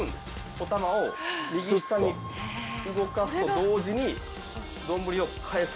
おたまを右下に動かすと同時に丼を返す。